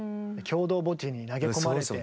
共同墓地に投げ込まれて。